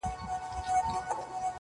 o د ډېري لرگى، د يوه انډى!